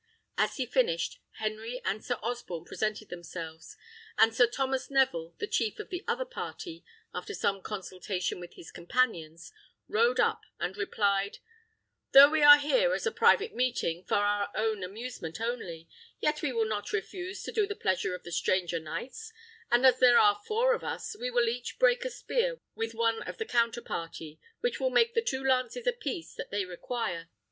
As he finished, Henry and Sir Osborne presented themselves; and Sir Thomas Neville, the chief of the other party, after some consultation with his companions, rode up and replied: "Though we are here as a private meeting, for our own amusement only, yet we will not refuse to do the pleasure of the stranger knights; and as there are four of us, we will each break a spear with one of the counter party, which will make the two lances a piece that they require.